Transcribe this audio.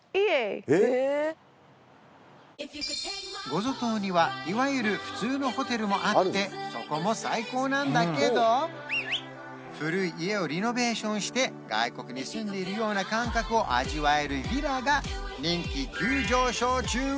ゴゾ島にはいわゆる普通のホテルもあってそこも最高なんだけど古い家をリノベーションして外国に住んでいるような感覚を味わえるヴィラが人気急上昇中！